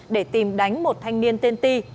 để tìm đánh một thanh niên tên ti